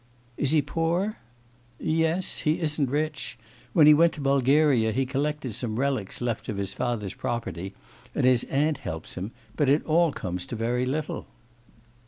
'Is he poor?' 'Yes, he isn't rich. When he went to Bulgaria he collected some relics left of his father's property, and his aunt helps him; but it all comes to very little.